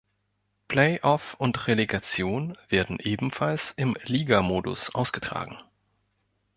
Playoff und Relegation werden ebenfalls im Liga-Modus ausgetragen.